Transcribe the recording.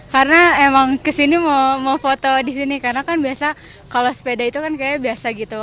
karena emang kesini mau foto disini karena kan biasa kalau sepeda itu kan kayaknya biasa gitu